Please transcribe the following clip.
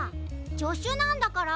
じょしゅなんだから。